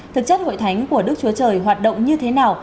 thực chất hội thánh của đức chúa trời hoạt động như thế nào